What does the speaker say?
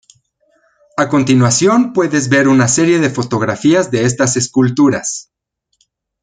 A continuación puedes ver una serie de fotografías de estas esculturas.